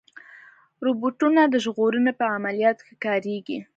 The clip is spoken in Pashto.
روبوټونه د ژغورنې په عملیاتو کې کارېږي.